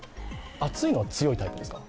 暑いのは強いタイプですか。